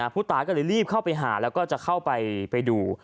ผู้ตายก็เลยรีบเข้าไปหาแล้วก็จะเข้าไปดู